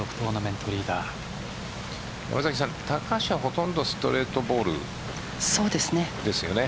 高橋はほとんどストレートボールですよね。